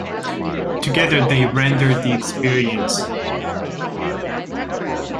Together they render the experience.